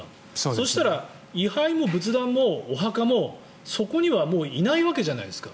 そしたら、位牌も仏壇もお墓もそこにはもういないわけじゃないですか。